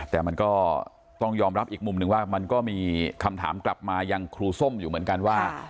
แต่มันก็ต้องยอมรับอีกมุมหนึ่งว่ามันก็มีคำถามกลับมายังครูส้มอยู่เหมือนกันว่า